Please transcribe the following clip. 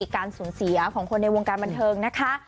การสูญเสียของคนในวงการบันเทิงนะคะ